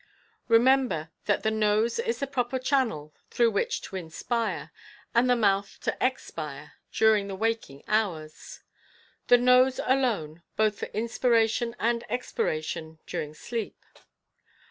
Remember, that the nose is the proper channel through which to inspire, and the mouth to expire during the waking hours; the nose alone, both for inspiration and expiration, during sleep.